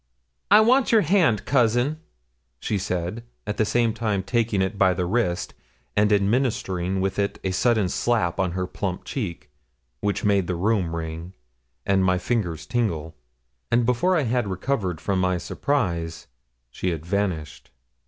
'I want your hand, cousin,' she said, at the same time taking it by the wrist, and administering with it a sudden slap on her plump cheek, which made the room ring, and my fingers tingle; and before I had recovered from my surprise, she had vanished.